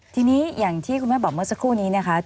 ทีนี้อย่างที่คุณแม่บอกเมื่อสักครู่นี้นะคะ